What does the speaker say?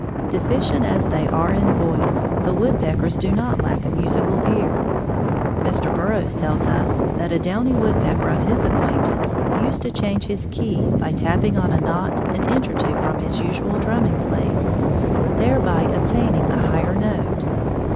Deficient as they are in voice, the woodpeckers do not lack a musical ear. Mr. Burroughs tells us that a downy woodpecker of his acquaintance used to change his key by tapping on a knot an inch or two from his usual drumming place, thereby obtaining a higher note.